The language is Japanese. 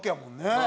はい。